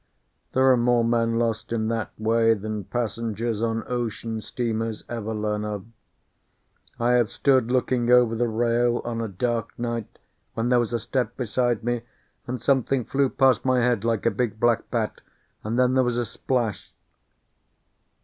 There are more men lost in that way than passengers on ocean steamers ever learn of. I have stood looking over the rail on a dark night, when there was a step beside me, and something flew past my head like a big black bat and then there was a splash!